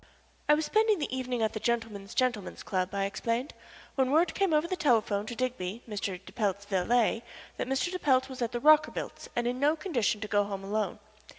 "I was spending the evening at the Gentlemen's Gentlemen's Club," I explained, "when word came over the telephone to Digby, Mr. de Pelt's valet, that Mr. de Pelt was at the Rockerbilts' and in no condition to go home alone.